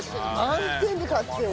満点で勝ってるんだ。